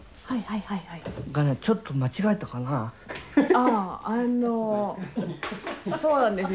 ああのそうなんですよ。